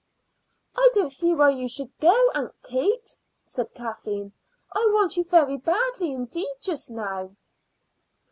"I don't see why you should go, Aunt Katie," said Kathleen. "I want you very badly indeed just now."